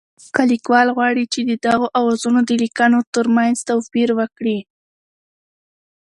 که لیکوال غواړي چې د دغو آوازونو د لیکبڼو ترمنځ توپیر وکړي